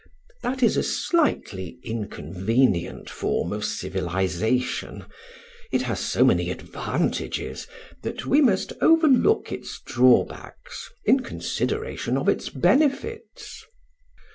That is a slightly inconvenient form of civilization; it has so many advantages that we must overlook its drawbacks in consideration of its benefits.